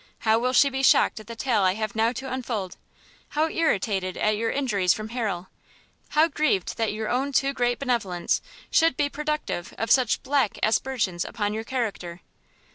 How will she be shocked at the tale I have now to unfold! how irritated at your injuries from Harrel! how grieved that your own too great benevolence should be productive of such black aspersions upon your character!"